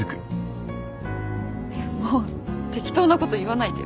適当なこと言わないでよ。